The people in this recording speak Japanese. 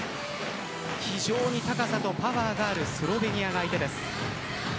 非常に高さとパワーがあるスロベニアが相手です。